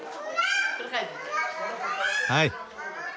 はい。